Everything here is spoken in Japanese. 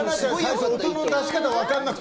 最初音の出し方分からなくて。